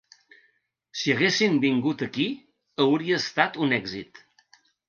Si haguessin vingut aquí hauria estat un èxit.